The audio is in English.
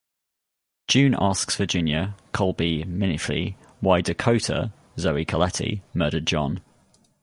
June asks Virginia (Colby Minifie) why Dakota (Zoe Colletti) murdered John.